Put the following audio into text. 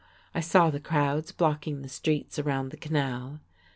I saw the crowds blocking the streets around the canal.